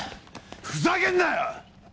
ふざけんなよ！